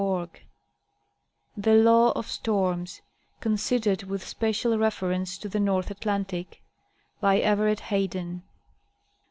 we THE LAW OF STORMS, CONSIDERED WITH SPECIAL REFERENCE TO THE NORTH ATLANTIC. By EVERETT HAYDEN.